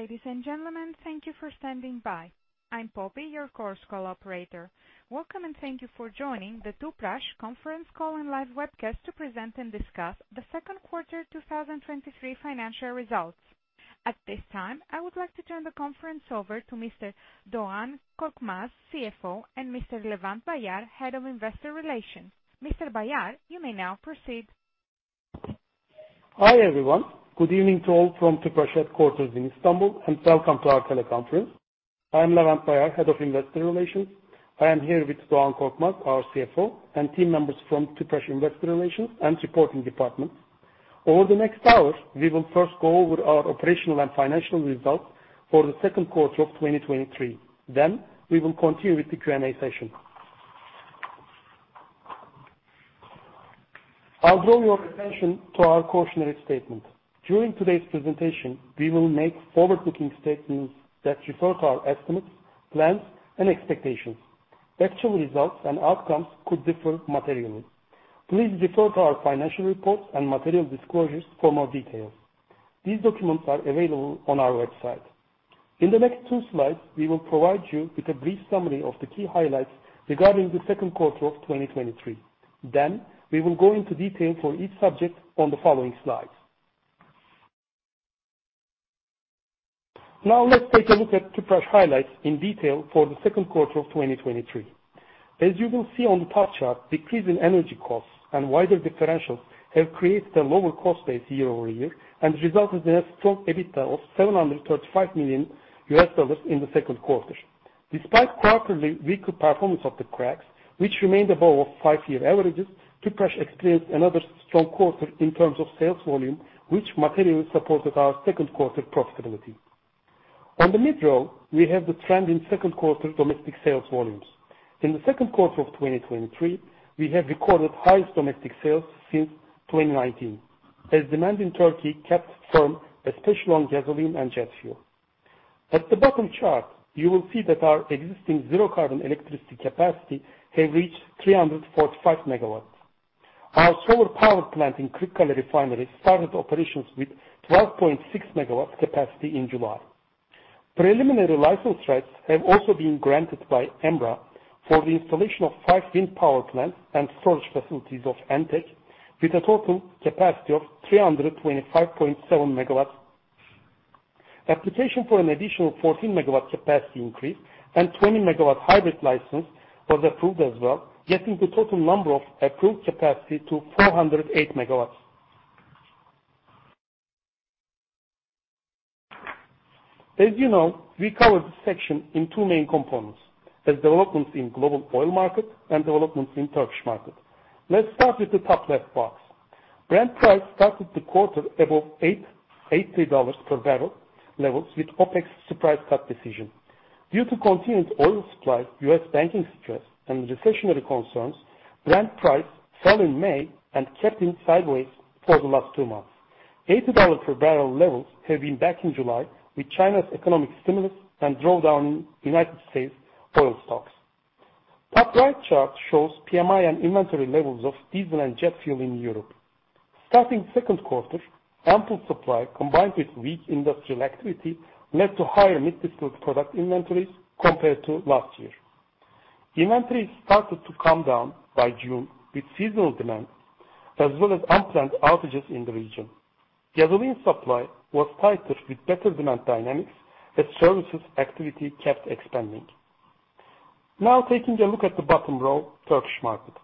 Ladies and gentlemen, thank you for standing by. I'm Poppy, your conference call operator. Welcome, and thank you for joining the Tüpraş conference call and live webcast to present and discuss the second quarter, 2023 financial results. At this time, I would like to turn the conference over to Mr. Doğan Korkmaz, CFO, and Mr. Levent Bayar, Head of Investor Relations. Mr. Bayar, you may now proceed. Hi, everyone. Good evening to all from Tüpraş headquarters in Istanbul. Welcome to our teleconference. I'm Levent Bayar, Head of Investor Relations. I am here with Doğan Korkmaz, our CFO, and team members from Tüpraş Investor Relations and Supporting Department. Over the next hour, we will first go over our operational and financial results for the second quarter of 2023. We will continue with the Q&A session. I'll draw your attention to our cautionary statement. During today's presentation, we will make forward-looking statements that refer to our estimates, plans, and expectations. Actual results and outcomes could differ materially. Please refer to our financial reports and material disclosures for more details. These documents are available on our website. In the next two slides, we will provide you with a brief summary of the key highlights regarding the second quarter of 2023. We will go into detail for each subject on the following slides. Now, let's take a look at Tüpraş highlights in detail for the second quarter of 2023. As you will see on the top chart, decrease in energy costs and wider differentials have created a lower cost base year-over-year and resulted in a strong EBITDA of $735 million in the second quarter. Despite [quarterly] weaker performance of the cracks, which remained above 5-year averages, Tüpraş experienced another strong quarter in terms of sales volume, which materially supported our second quarter profitability. On the mid row, we have the trend in second quarter domestic sales volumes. In the second quarter of 2023, we have recorded highest domestic sales since 2019, as demand in Turkey kept firm, especially on gasoline and jet fuel. At the bottom chart, you will see that our existing zero-carbon electricity capacity has reached 345 MW. Our solar power plant in Kırıkkale Refinery started operations with 12.6 MW capacity in July. Preliminary license rights have also been granted by EMRA for the installation of five wind power plants and storage facilities of ENTEK, with a total capacity of 325.7 MW. Application for an additional 14 MW capacity increase and 20 MW hybrid license was approved as well, getting the total number of approved capacity to 408 MW. As you know, we cover this section in two main components, as developments in global oil market and developments in Turkish market. Let's start with the top left box. Brent price started the quarter above $80 per barrel levels with OPEC's surprise cut decision. Due to continued oil supply, U.S. banking stress, and recessionary concerns, Brent prices fell in May and kept in sideways for the last 2 months. $80 per barrel levels have been back in July with China's economic stimulus and draw down United States oil stocks. Top right chart shows PMI and inventory levels of diesel and jet fuel in Europe. Starting second quarter, ample supply, combined with weak industrial activity, led to higher middle distilled product inventories compared to last year. Inventories started to come down by June with seasonal demand as well as unplanned outages in the region. Gasoline supply was tighter with better demand dynamics as services activity kept expanding. Now, taking a look at the bottom row, Turkish market.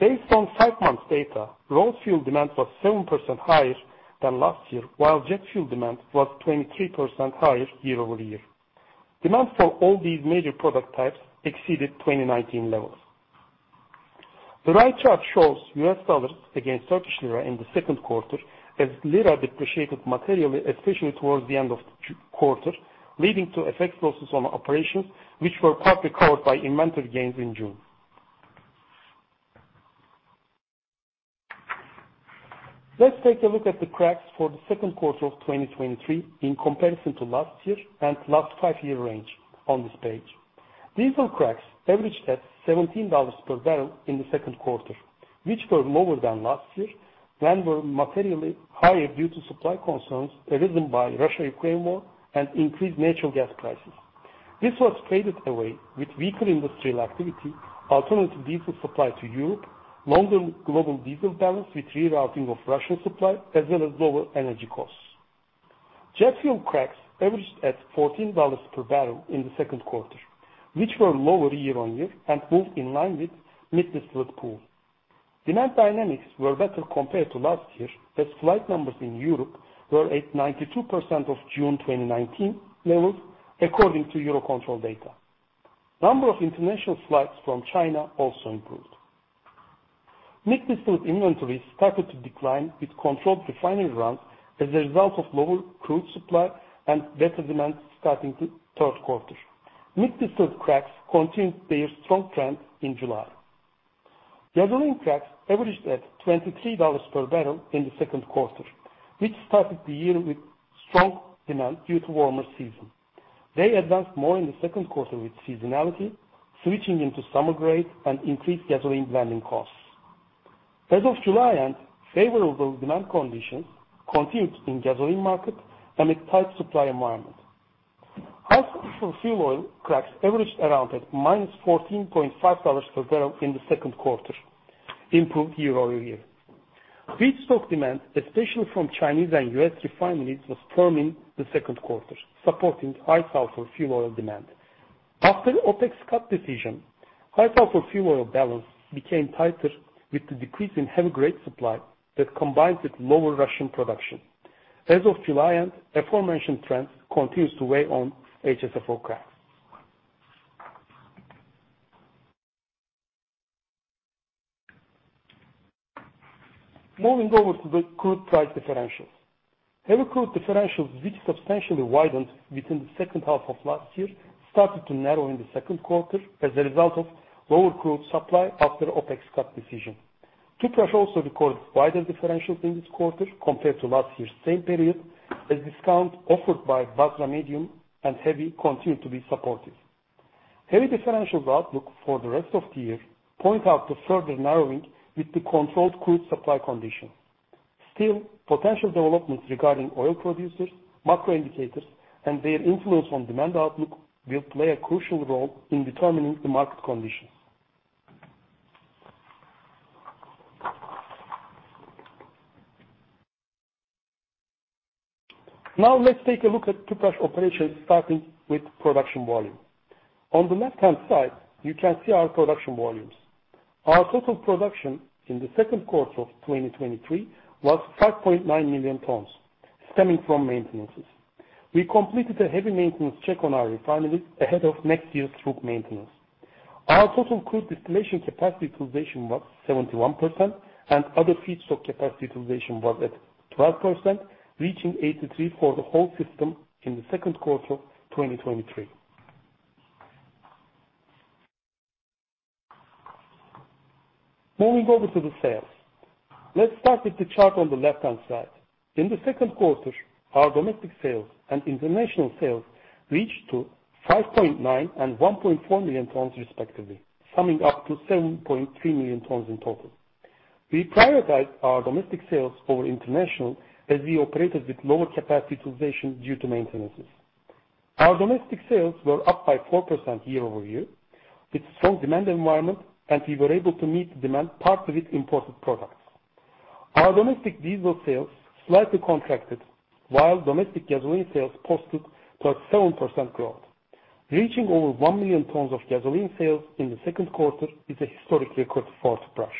Based on five months' data, road fuel demand was 7% higher than last year, while jet fuel demand was 23% higher year-over-year. Demand for all these major product types exceeded 2019 levels. The right chart shows U.S. dollars against Turkish lira in the second quarter, as lira depreciated materially, especially towards the end of the quarter, leading to FX losses on our operations, which were partly covered by inventory gains in June. Let's take a look at the cracks for the second quarter of 2023 in comparison to last year and last 5-year range on this page. Diesel cracks averaged at $17 per barrel in the second quarter, which were lower than last year, were materially higher due to supply concerns arisen by Russia-Ukraine war and increased natural gas prices. This was faded away with weaker industrial activity, alternative diesel supply to Europe, longer global diesel balance with rerouting of Russian supply, as well as lower energy costs. Jet fuel cracks averaged at $14 per barrel in the second quarter, which were lower year-over-year and moved in line with Middle Distillate pool. Demand dynamics were better compared to last year, as flight numbers in Europe were at 92% of June 2019 levels, according to Eurocontrol data. Number of international flights from China also improved. Middle distillate inventories started to decline with controlled refining runs as a result of lower crude supply and better demand starting the third quarter. Middle distillate cracks continued their strong trend in July. Gasoline cracks averaged at $23 per barrel in the second quarter, which started the year with strong demand due to warmer season. They advanced more in the second quarter with seasonality, switching into summer grade and increased gasoline blending costs. As of July end, favorable demand conditions continued in gasoline market amid tight supply environment. High sulfur fuel oil cracks averaged around at minus $14.5 per barrel in the second quarter, improved year-over-year. Feedstock demand, especially from Chinese and U.S. refineries, was firm in the second quarter, supporting high sulfur fuel oil demand. After OPEC's cut decision, high sulfur fuel oil balance became tighter with the decrease in heavy grade supply that combines with lower Russian production. As of July end, aforementioned trend continues to weigh on HSFO cracks. Moving over to the crude price differentials. Heavy crude differentials, which substantially widened between the second half of last year, started to narrow in the second quarter as a result of lower crude supply after OPEC's cut decision. Tüpraş also recorded wider differentials in this quarter compared to last year's same period, as discount offered by Basrah Medium and heavy continued to be supportive. Heavy differential outlook for the rest of the year point out to further narrowing with the controlled crude supply conditions. Still, potential developments regarding oil producers, macro indicators, and their influence on demand outlook will play a crucial role in determining the market conditions. Now let's take a look at Tüpraş operations, starting with production volume. On the left-hand side, you can see our production volumes. Our total production in the second quarter of 2023 was 5.9 million tons, stemming from maintenances. We completed a heavy maintenance check on our refineries ahead of next year's through maintenance. Our total crude distillation capacity utilization was 71%, and other feedstock capacity utilization was at 12%, reaching 83 for the whole system in the second quarter of 2023. Moving over to the sales. Let's start with the chart on the left-hand side. In the second quarter, our domestic sales and international sales reached to 5.9 and 1.4 million tons respectively, summing up to 7.3 million tons in total. We prioritized our domestic sales over international as we operated with lower capacity utilization due to maintenances. Our domestic sales were up by 4% year-over-year, with strong demand environment, and we were able to meet the demand, part of it imported products. Our domestic diesel sales slightly contracted, while domestic gasoline sales posted +7% growth. Reaching over 1 million tons of gasoline sales in the second quarter is a historic record for Tüpraş.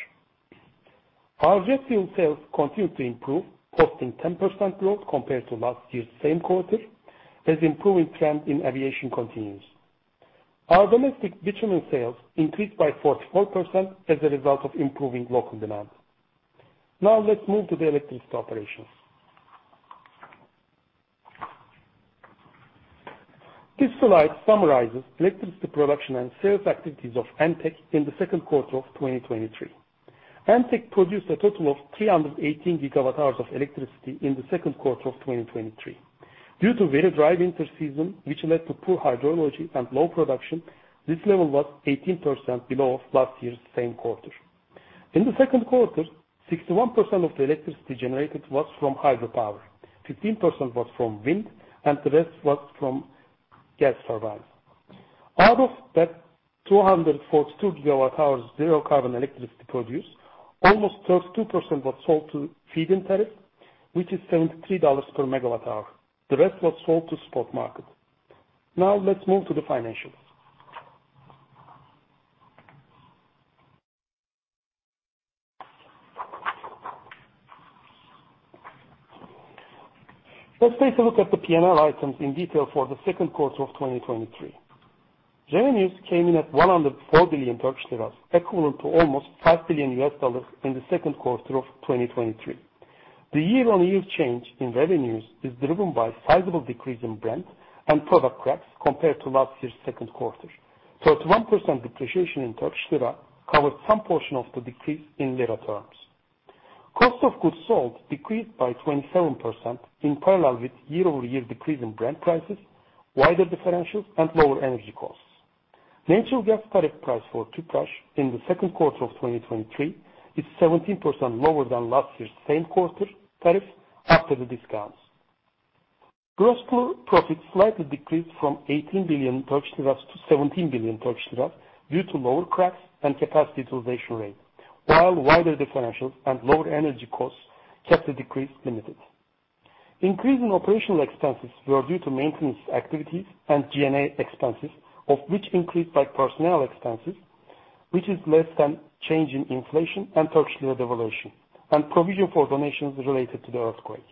Our jet fuel sales continued to improve, posting 10% growth compared to last year's same quarter, as improving trend in aviation continues. Our domestic bitumen sales increased by 44% as a result of improving local demand. Let's move to the electricity operations. This slide summarizes electricity production and sales activities of ENTEK in the second quarter of 2023. ENTEK produced a total of 318 GWh of electricity in the second quarter of 2023. Due to very dry winter season, which led to poor hydrology and low production, this level was 18% below last year's same quarter. In the second quarter, 61% of the electricity generated was from hydropower, 15% was from wind, and the rest was from gas turbines. Out of that 242 GWh zero carbon electricity produced, almost 32% was sold to feed-in tariff, which is $73 per MWh. The rest was sold to spot market. Let's move to the financials. Let's take a look at the P&L items in detail for the second quarter of 2023. Revenues came in at 104 billion Turkish lira, equivalent to almost $5 billion in the second quarter of 2023. The year-on-year change in revenues is driven by a sizable decrease in Brent and product cracks compared to last year's second quarter. Plus, 1% depreciation in Turkish lira covered some portion of the decrease in lira terms. Cost of goods sold decreased by 27% in parallel with year-over-year decrease in Brent prices, wider differentials, and lower energy costs. Natural gas tariff price for Tüpraş in the second quarter of 2023 is 17% lower than last year's same quarter tariff after the discounts. Gross profit slightly decreased from 18 billion Turkish liras to 17 billion Turkish lira, due to lower cracks and capacity utilization rate, while wider differentials and lower energy costs kept the decrease limited. Increase in operational expenses were due to maintenance activities and G&A expenses, of which increased by personnel expenses, which is less than change in inflation and Turkish lira devaluation and provision for donations related to the earthquake.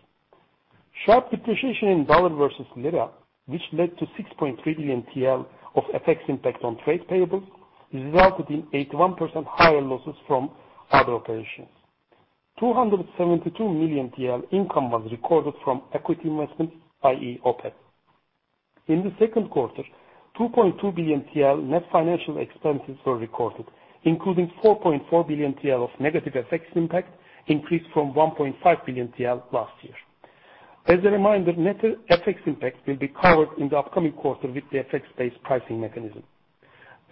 Sharp depreciation in dollar versus lira, which led to 6.3 billion TL of FX impact on trade payables, resulted in 81% higher losses from other operations. 272 million TL income was recorded from equity investments, i.e. OPEC. In the second quarter, 2.2 billion TL net financial expenses were recorded, including 4.4 billion TL of negative FX impact, increased from 1.5 billion TL last year. As a reminder, net FX impact will be covered in the upcoming quarter with the FX-based pricing mechanism.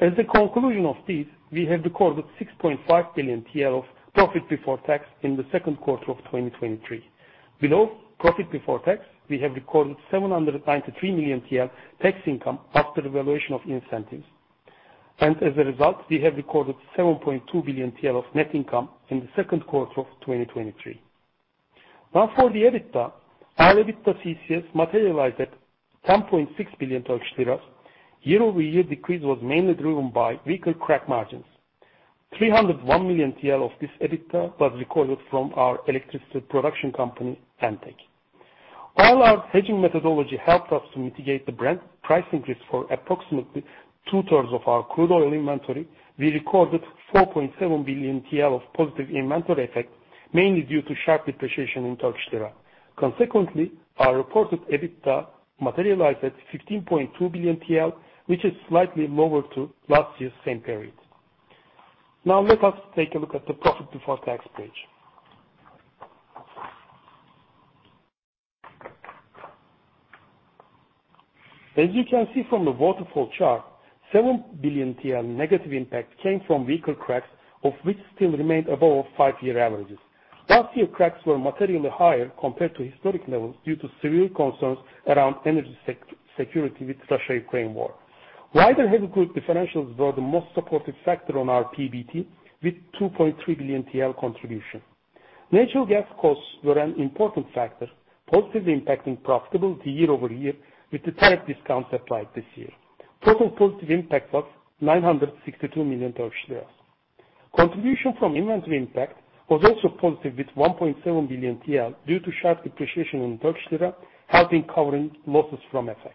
As a conclusion of this, we have recorded 6.5 billion TL of profit before tax in the second quarter of 2023. Below profit before tax, we have recorded 793 million TL tax income after evaluation of incentives, and as a result, we have recorded 7.2 billion TL of net income in the second quarter of 2023. Now for the EBITDA, our EBITDA CCS materialized at 10.6 billion Turkish lira. Year-over-year decrease was mainly driven by weaker crack margins. 301 million TL of this EBITDA was recorded from our electricity production company, ENTEK. While our hedging methodology helped us to mitigate the Brent pricing risk for approximately two-thirds of our crude oil inventory, we recorded 4.7 billion TL of positive inventory effect, mainly due to sharp depreciation in Turkish lira. Consequently, our reported EBITDA materialized at 15.2 billion TL, which is slightly lower to last year's same period. Now let us take a look at the profit before tax page. As you can see from the waterfall chart, 7 billion TL negative impact came from weaker cracks, of which still remained above our five-year averages. Last year, cracks were materially higher compared to historic levels due to severe concerns around energy security with Russia-Ukraine war. Wider heavy crude differentials were the most supportive factor on our PBT, with 2.3 billion TL contribution. Natural gas costs were an important factor, positively impacting profitability year-over-year, with the third discount applied this year. Total positive impact was 962 million Turkish lira. Contribution from inventory impact was also positive, with 1.7 billion TL, due to sharp depreciation in Turkish lira, helping covering losses from FX.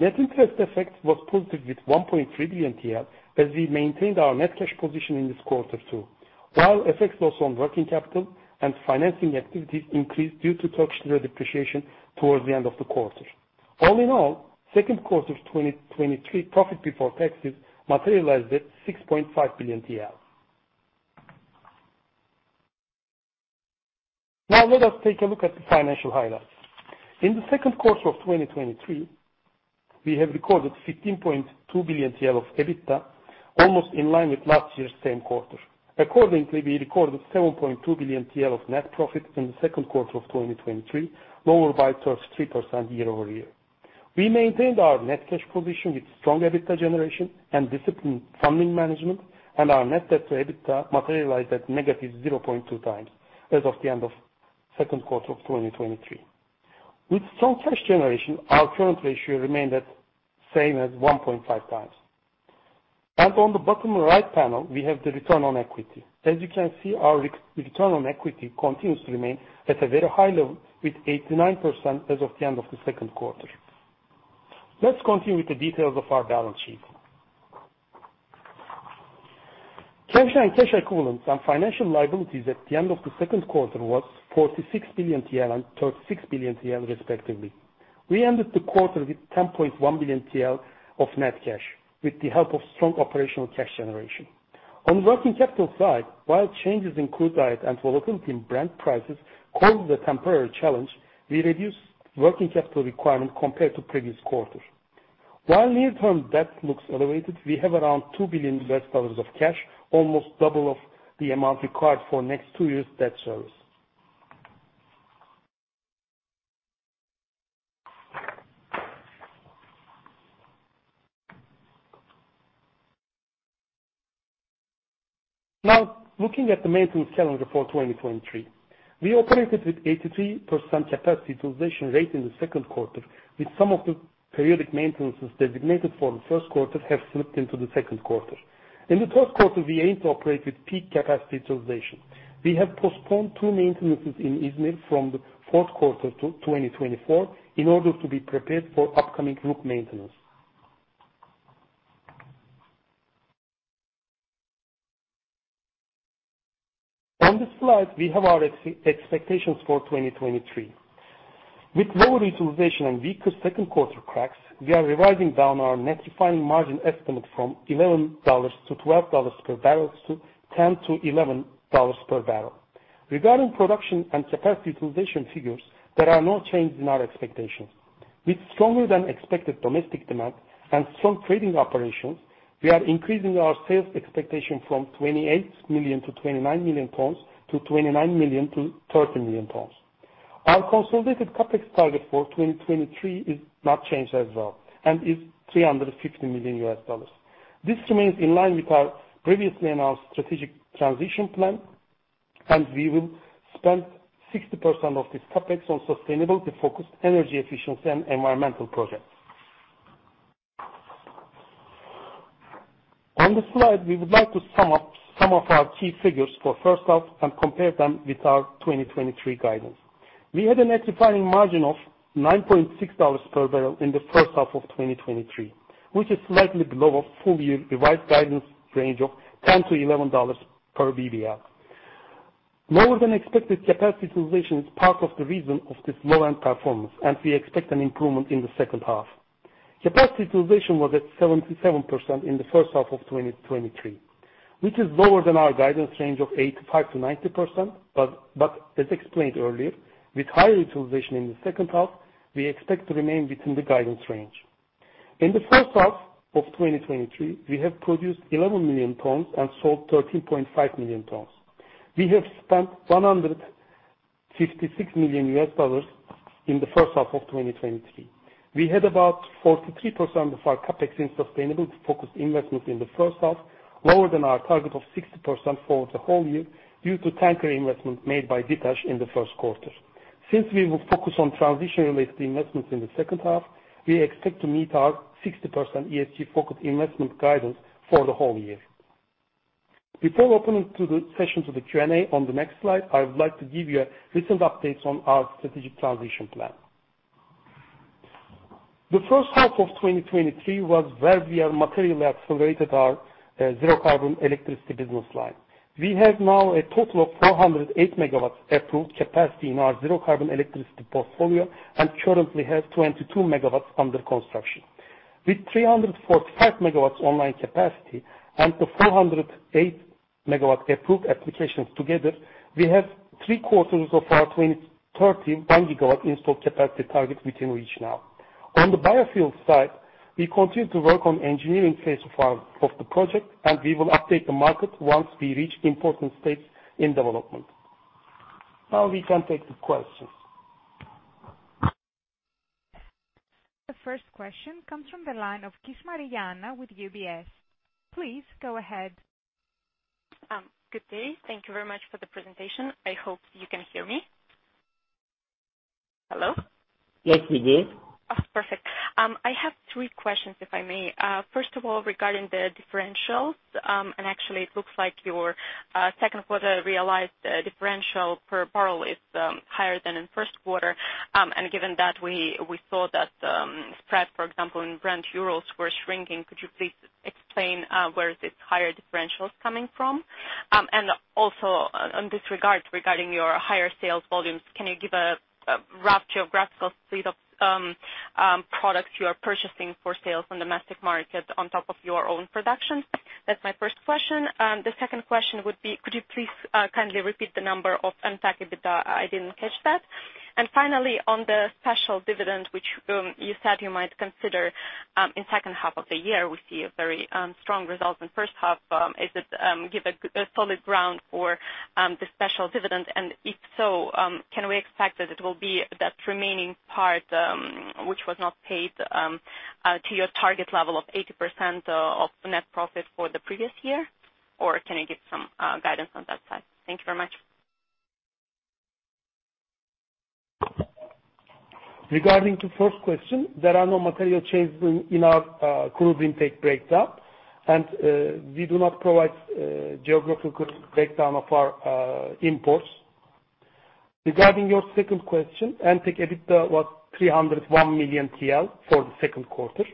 Net interest effect was positive with 1.3 billion TL, as we maintained our net cash position in this quarter, too. FX loss on working capital and financing activities increased due to Turkish lira depreciation towards the end of the quarter. All in all, second quarter of 2023 profit before taxes materialized at 6.5 billion TL. Let us take a look at the financial highlights. In the second quarter of 2023, we have recorded 15.2 billion TL of EBITDA, almost in line with last year's same quarter. Accordingly, we recorded 7.2 billion TL of net profit in the second quarter of 2023, lower by 33% year-over-year. We maintained our net cash position with strong EBITDA generation and disciplined funding management, and our net debt to EBITDA materialized at negative 0.2 times as of the end of second quarter of 2023. With strong cash generation, our current ratio remained at same as 1.5 times. On the bottom right panel, we have the return on equity. As you can see, our return on equity continues to remain at a very high level with 89% as of the end of the second quarter. Let's continue with the details of our balance sheet. Cash and cash equivalents and financial liabilities at the end of the second quarter was 46 billion TL and 36 billion TL, respectively. We ended the quarter with 10.1 billion TL of net cash, with the help of strong operational cash generation. On working capital side, while changes in crude oil and volatility in Brent prices caused a temporary challenge, we reduced working capital requirement compared to previous quarter. While near-term debt looks elevated, we have around $2 billion of cash, almost double of the amount required for next 2 years' debt service. Looking at the maintenance calendar for 2023, we operated with 83% capacity utilization rate in the second quarter, with some of the periodic maintenances designated for the first quarter have slipped into the second quarter. In the third quarter, we aim to operate with peak capacity utilization. We have postponed two maintenances in Izmir from the fourth quarter to 2024 in order to be prepared for upcoming group maintenance. On this slide, we have our expectations for 2023. With lower utilization and weaker second quarter cracks, we are revising down our net refining margin estimate from $11-$12 per barrel to $10-$11 per barrel. Regarding production and capacity utilization figures, there are no change in our expectations. With stronger than expected domestic demand and strong trading operations, we are increasing our sales expectation from 28 million-29 million tons to 29 million-30 million tons. Our consolidated CapEx target for 2023 is not changed as well and is $350 million. This remains in line with our previously announced strategic transition plan. We will spend 60% of this CapEx on sustainability-focused energy efficiency and environmental projects. On this slide, we would like to sum up some of our key figures for first half and compare them with our 2023 guidance. We had a net refining margin of $9.6 per barrel in the first half of 2023, which is slightly below our full year revised guidance range of $10-$11 per BBL. Lower than expected capacity utilization is part of the reason of this low-end performance. We expect an improvement in the second half. Capacity utilization was at 77% in the first half of 2023, which is lower than our guidance range of 85%-90%, but as explained earlier, with higher utilization in the second half, we expect to remain within the guidance range. In the first half of 2023, we have produced 11 million tons and sold 13.5 million tons. We have spent $156 million in the first half of 2023. We had about 43% of our CapEx in sustainability-focused investment in the first half, lower than our target of 60% for the whole year, due to tanker investment made by [GTACH] in the first quarter. Since we will focus on transition-related investments in the second half, we expect to meet our 60% ESG-focused investment guidance for the whole year. Before opening to the session to the Q&A on the next slide, I would like to give you a recent updates on our strategic transition plan. The first half of 2023 was where we are materially accelerated our zero carbon electricity business line. We have now a total of 408 MW approved capacity in our zero carbon electricity portfolio, and currently have 22 MW under construction. With 345 MW online capacity and the 408 MW approved applications together, we have three quarters of our 2030 1 gigawatt installed capacity targets within reach now. On the biofuel side, we continue to work on engineering phase of the project, and we will update the market once we reach important states in development. We can take the questions. The first question comes from the line of Kishmariya, Anna with UBS. Please go ahead. Good day. Thank you very much for the presentation. I hope you can hear me. Hello? Yes, we do. Oh, perfect. I have 3 questions, if I may. First of all, regarding the differentials, it looks like your 2nd quarter realized differential per barrel is higher than in 1st quarter. Given that we saw that spread, for example, in Brent Urals were shrinking, could you please explain where this higher differential is coming from? On this regard, regarding your higher sales volumes, can you give a rough geographical suite of products you are purchasing for sales on domestic market on top of your own productions? That's my 1st question. The second question would be, could you please kindly repeat the number of Antarctic EBITDA? I didn't catch that. Finally, on the special dividend, which you said you might consider in second half of the year, we see a very strong result in first half. Is it give a solid ground for the special dividend? If so, can we expect that it will be that remaining part which was not paid to your target level of 80% of net profit for the previous year? Can you give some guidance on that side? Thank you very much. Regarding the first question, there are no material changes in our crude intake breakdown, and we do not provide geographical breakdown of our imports. Regarding your second question, ENTEK EBITDA was 301 million TL for the second quarter.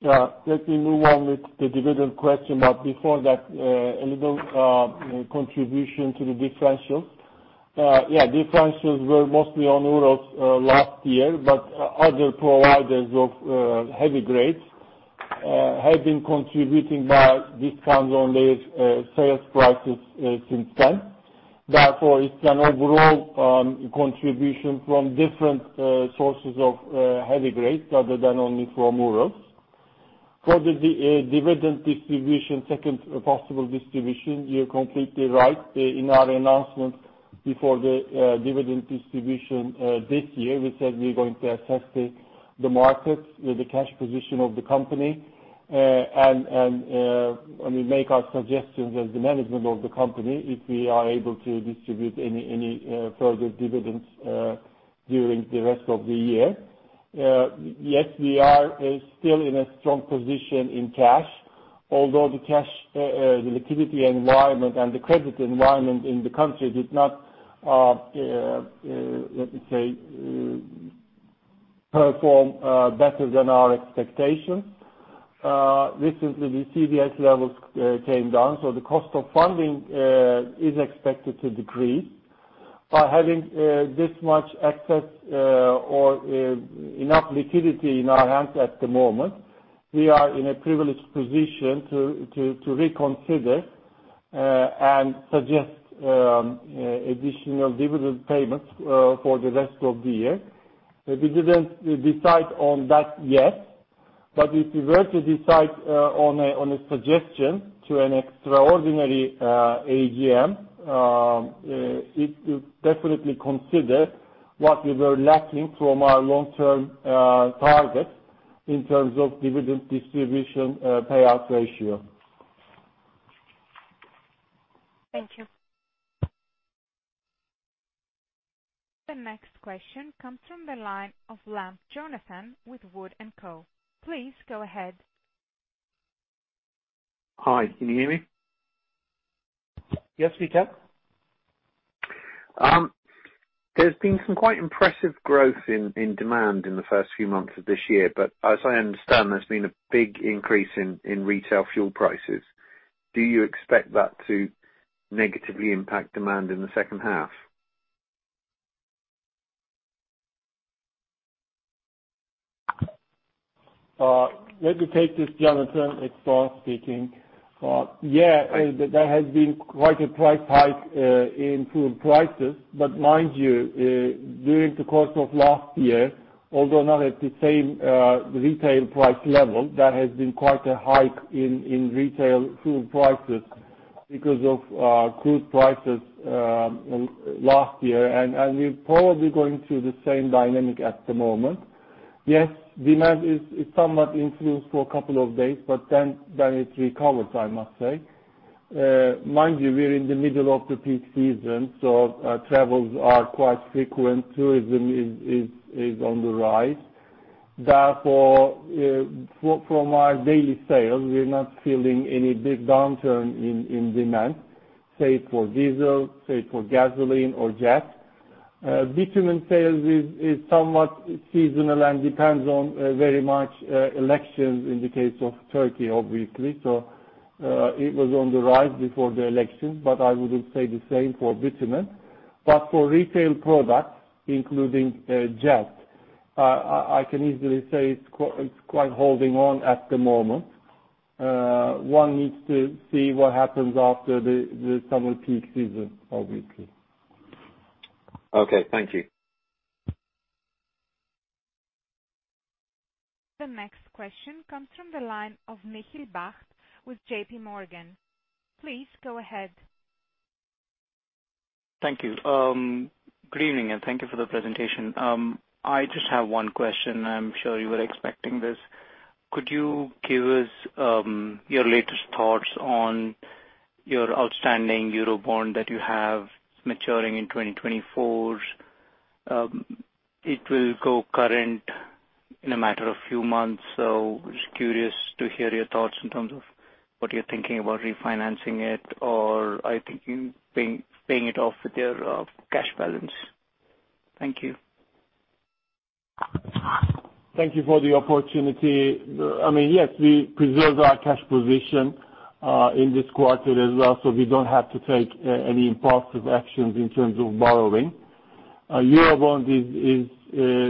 Let me move on with the dividend question, but before that, a little contribution to the differentials. Yeah, differentials were mostly on Urals last year, but o- other providers of heavy grades have been contributing by discounts on their sales prices since then. Therefore, it's an overall contribution from different sources of heavy grades other than only from Urals. For the d- dividend distribution, second possible distribution, you're completely right. In our announcement before the dividend distribution this year, we said we're going to assess the market with the cash position of the company, and, and, and we make our suggestions as the management of the company, if we are able to distribute any, any, further dividends during the rest of the year. Yes, we are still in a strong position in cash. Although the cash, the liquidity environment and the credit environment in the country did not, let me say, perform better than our expectations. Recently, the CDS levels came down, so the cost of funding is expected to decrease. By having this much access, or enough liquidity in our hands at the moment, we are in a privileged position to reconsider and suggest additional dividend payments for the rest of the year. We didn't decide on that yet, but if we were to decide on a suggestion to an extraordinary AGM, it definitely consider what we were lacking from our long-term targets in terms of dividend distribution, payout ratio. Thank you. The next question comes from the line of Lamb, Jonathan with Wood & Co. Please go ahead. Hi, can you hear me? Yes, we can. There's been some quite impressive growth in, in demand in the first few months of this year, but as I understand, there's been a big increase in, in retail fuel prices. Do you expect that to negatively impact demand in the second half? Let me take this, Jonathan. It's [Do] speaking. Yeah, there has been quite a price hike in fuel prices, but mind you, during the course of last year, although not at the same retail price level, there has been quite a hike in, in retail fuel prices because of crude prices last year. We're probably going through the same dynamic at the moment. Yes, demand is, is somewhat influenced for a couple of days, but then, then it recovers, I must say. Mind you, we're in the middle of the peak season, so travels are quite frequent. Tourism is, is, is on the rise. Therefore, from, from our daily sales, we're not feeling any big downturn in, in demand, say, for diesel, say for gasoline or jet. Bitumen sales is, is somewhat seasonal and depends on very much elections in the case of Turkey, obviously. It was on the rise before the election, but I wouldn't say the same for Bitumen. For retail products, including Jet, I, I can easily say it's quite holding on at the moment. One needs to see what happens after the summer peak season, obviously. Okay, thank you. The next question comes from the line of Nikhil Bhat with JPMorgan. Please go ahead. Thank you. Good evening, and thank you for the presentation. I just have one question, I'm sure you were expecting this. Could you give us your latest thoughts on your outstanding Eurobond that you have maturing in 2024? It will go current in a matter of few months, so just curious to hear your thoughts in terms of what you're thinking about refinancing it, or are you thinking paying it off with your cash balance? Thank you. Thank you for the opportunity. I mean, yes, we preserved our cash position in this quarter as well, so we don't have to take any impulsive actions in terms of borrowing. Our Eurobond is, is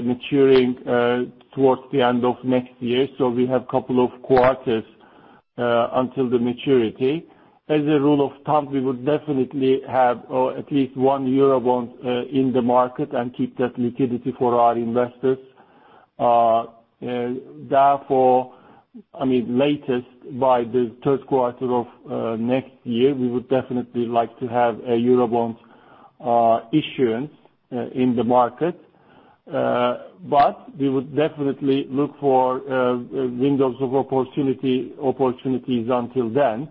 maturing towards the end of next year, so we have couple of quarters until the maturity. As a rule of thumb, we would definitely have at least one Eurobond in the market and keep that liquidity for our investors. Therefore, I mean, latest, by the third quarter of next year, we would definitely like to have a Eurobond issuance in the market. We would definitely look for windows of opportunity, opportunities until then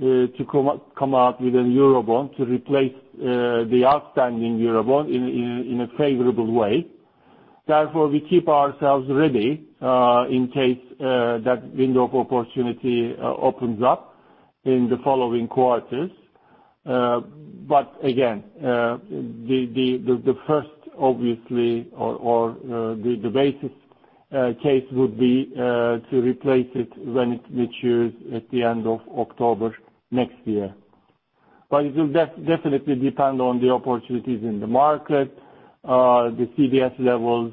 to come out, come out with a Eurobond to replace the outstanding Eurobond in, in, in a favorable way. We keep ourselves ready, in case that window of opportunity opens up in the following quarters. Again, the first, obviously, or the basic case would be to replace it when it matures at the end of October next year. It will definitely depend on the opportunities in the market, the CDS levels,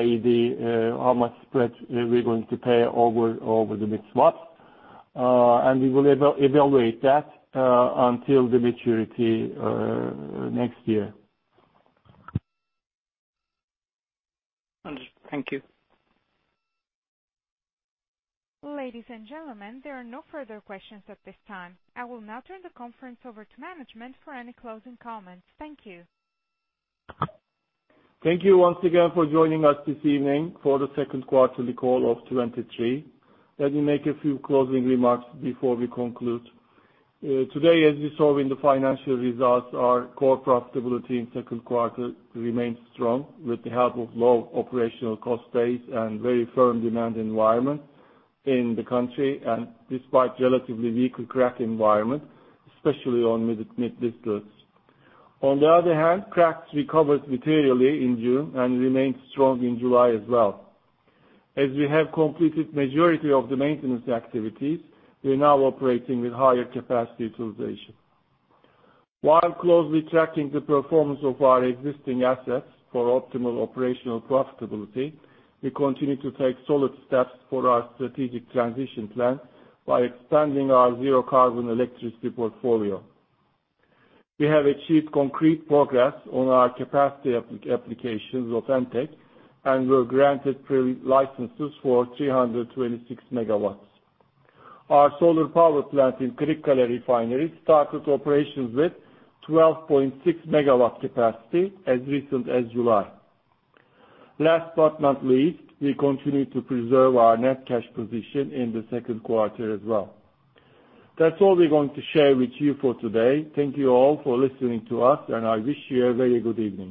i.e., how much spread are we going to pay over, over the mid-swap? We will evaluate that until the maturity next year. Thank you. Ladies and gentlemen, there are no further questions at this time. I will now turn the conference over to management for any closing comments. Thank you. Thank you once again for joining us this evening for the second quarterly call of 2023. Let me make a few closing remarks before we conclude. Today, as you saw in the financial results, our core profitability in second quarter remains strong, with the help of low operational cost base and very firm demand environment in the country. Despite relatively weak crack environment, especially on mid distillates. On the other hand, cracks recovered materially in June and remained strong in July as well. As we have completed majority of the maintenance activities, we are now operating with higher capacity utilization. While closely tracking the performance of our existing assets for optimal operational profitability, we continue to take solid steps for our strategic transition plan by expanding our zero carbon electricity portfolio. We have achieved concrete progress on our capacity applications of ENTEK and were granted pre licenses for 326 MW. Our solar power plant in Kırıkkale Refinery started operations with 12.6 MW capacity as recent as July. Last but not least, we continue to preserve our net cash position in the second quarter as well. That's all we're going to share with you for today. Thank you all for listening to us, and I wish you a very good evening.